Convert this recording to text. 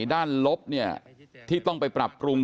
ด้านลบเนี่ยที่ต้องไปปรับปรุง